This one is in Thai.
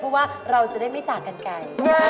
เพราะว่าเราจะได้ไม่จากกันไกล